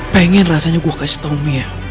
pengen rasanya gue kasih tau mia